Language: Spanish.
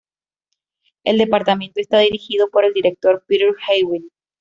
El departamento está dirigido por el director, Peter Hewitt.